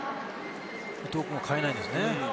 伊東君は代えないんですね。